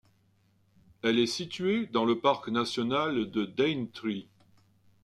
Elle est située dans le Parc national de Daintree.